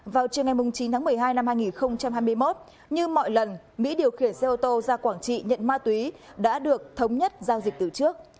vào chiều ngày chín tháng một mươi hai năm hai nghìn hai mươi một như mọi lần mỹ điều khiển xe ô tô ra quảng trị nhận ma túy đã được thống nhất giao dịch từ trước